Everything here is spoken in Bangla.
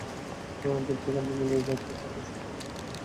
দূর দিগন্তে মিলিয়ে যেতে থাকা স্বপ্ন ওখানেই একটু একটু করে কাছে এসেছে।